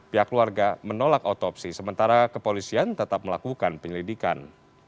pihak keluarga menolak otopsi sementara kepolisian tetap melakukan penyelidikan